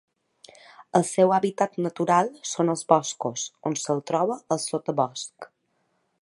El seu hàbitat natural són els boscos, on se'l troba al sotabosc.